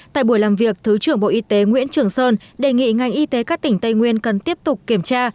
tại buổi làm việc thứ trưởng bộ y tế nguyễn trường sơn đề nghị ngành y tế các tỉnh tây nguyên cần tiếp tục kiểm tra